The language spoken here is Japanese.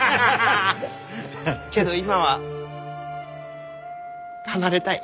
けど今は離れたい。